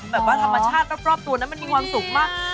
แบบว่าธรรมชาติรอบตัวนั้นมันมีความสุขมาก